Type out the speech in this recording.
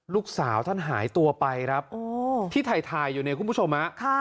ลูกสาวท่านหายตัวไปครับที่ถ่ายอยู่เนี่ยคุณผู้ชมฮะ